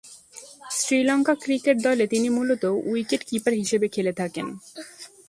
Sri Lanka cricket দলে তিনি মূলতঃ উইকেট-কিপার হিসেবে খেলে থাকেন।